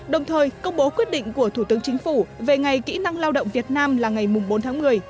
đồng thời công bố quyết định của thủ tướng chính phủ về ngày kỹ năng lao động việt nam là ngày bốn tháng một mươi